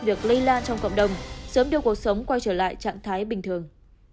việc lây lan trong cộng đồng sớm đưa cuộc sống quay trở lại trạng thái bình thường